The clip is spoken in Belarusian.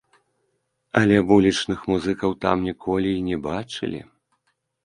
Але вулічных музыкаў там ніколі і не бачылі!